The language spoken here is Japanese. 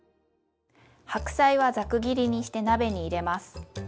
白菜はざく切りにして鍋に入れます。